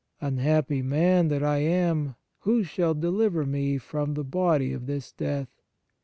Unhappy man that I am, who shall deliver me from the body of this death